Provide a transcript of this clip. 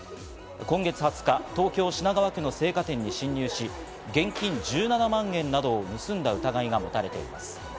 今月２０日、東京・品川区の青果店に侵入し、現金１７万円などを盗んだ疑いが持たれています。